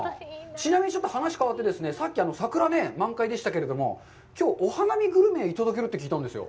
ちなみにちょっと話変わって、さっき、桜が満開でしたけど、きょうお花見グルメいただけるって聞いたんですよ。